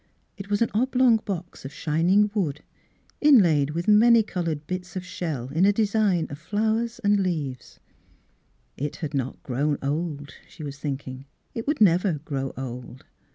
It was an oblong box of shining wood, inlaid with many coloured Miss Fhilura^s Wedding Gozun bits of shell in a design of flowers and, leaves. It had not grown old, she was thinking. It would never grow old.